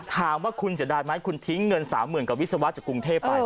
ถามว่าคุณเสียดายไหมคุณทิ้งเงิน๓๐๐๐กับวิศวะจากกรุงเทพไป